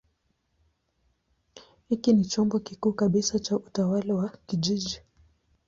Hiki ni chombo kikuu kabisa cha utawala wa kijiji.